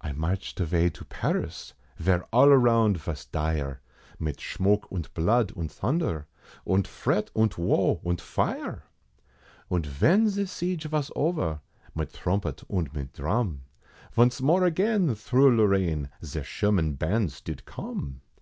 I marched avay to Paris, vere all around vos dire, Mit shmoke, und blood, und thunder, und fret, und woe und fire! Und ven ze siege vos over, mit thrumpet und mit dhrum, Vonce more again thro' Lorraine, ze Sherman bands did come.